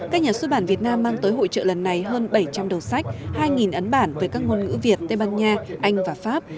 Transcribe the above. các nhà xuất bản việt nam mang tới hội trợ lần này hơn bảy trăm linh đầu sách hai ấn bản với các ngôn ngữ việt tây ban nha anh và pháp